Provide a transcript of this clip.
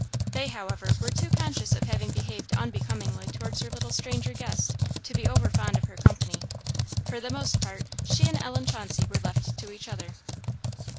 They, however, were too conscious of having behaved unbecomingly towards their little stranger guest to be over fond of her company. For the most part, she and Ellen Chauncey were left to each other.